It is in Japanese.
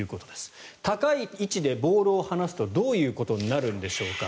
高い位置でボールを離すとどういうことになるのでしょうか。